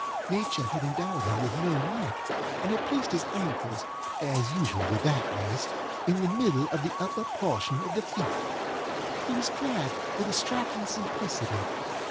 Nature had endowed him with no neck, and had placed his ankles (as usual with that race) in the middle of the upper portion of the feet. He was clad with a striking simplicity.